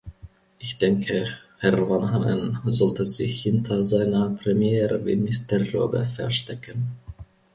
Ich denke, Herr Vanhanen sollte sich hinter seiner Premierministerrobe verstecken.